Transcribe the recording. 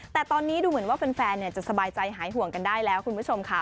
แต่ตอนนี้ดูเหมือนว่าแฟนจะสบายใจหายห่วงกันได้แล้วคุณผู้ชมค่ะ